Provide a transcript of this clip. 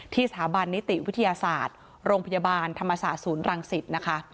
สถาบันนิติวิทยาศาสตร์โรงพยาบาลธรรมศาสตร์ศูนย์รังสิตนะคะ